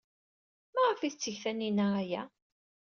Maɣef ay tetteg Taninna aya?